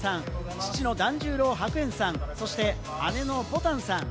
父の團十郎白猿さん、そして姉のぼたんさん。